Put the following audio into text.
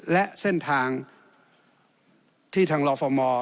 และเส้นทางที่ทางลอฟอร์มอร์